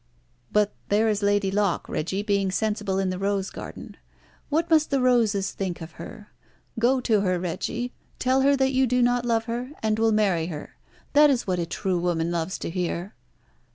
But there is Lady Locke, Reggie, being sensible in the rose garden. What must the roses think of her? Go to her, Reggie, tell her that you do not love her, and will marry her. That is what a true woman loves to hear."